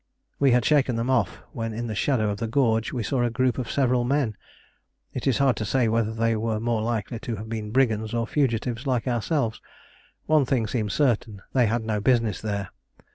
We had shaken them off, when in the shadow of the gorge we saw a group of several men. It is hard to say whether they were more likely to have been brigands or fugitives like ourselves: one thing seemed certain, they had no business there.